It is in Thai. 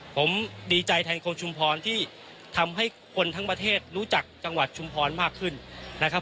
ผมดีใจแทนคนชุมพรที่ทำให้คนทั้งประเทศรู้จักจังหวัดชุมพรมากขึ้นนะครับ